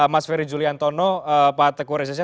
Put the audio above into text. mas ferry juliantono pak teku rezesnya